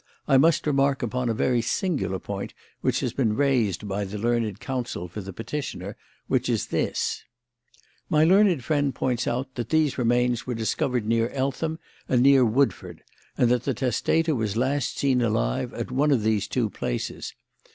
I must remark upon a very singular point that has been raised by the learned counsel for the petitioner, which is this: "My learned friend points out that these remains were discovered near Eltham and near Woodford and that the testator was last seen alive at one of these two places.